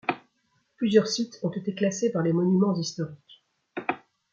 Plusieurs sites ont été classés par les Monuments historiques.